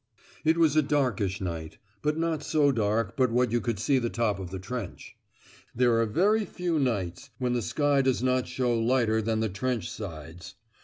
It was a darkish night, but not so dark but what you could see the top of the trench. There are very few nights when the sky does not show lighter than the trench sides.